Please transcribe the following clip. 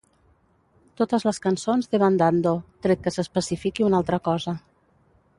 Totes les cançons d'Evan Dando, tret que s'especifiqui una altra cosa.